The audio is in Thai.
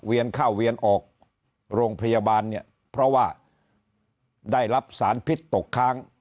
เข้าเวียนออกโรงพยาบาลเนี่ยเพราะว่าได้รับสารพิษตกค้าง